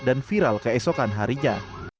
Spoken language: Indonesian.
dan viral keesokan harinya